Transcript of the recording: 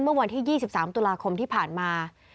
เมื่อวันที่๒๓ตุลาคมที่ผ่านมา